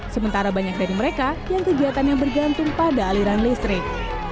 sementara banyak dari mereka yang kegiatannya bergantung pada aliran listrik